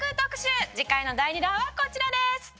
次回の第２弾はこちらです！